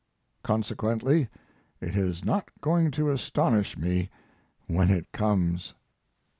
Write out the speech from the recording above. Consequently it is not going to astonish me when it comes.